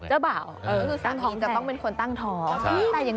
ตั้งทองจะต้องเป็นคนตั้งทอง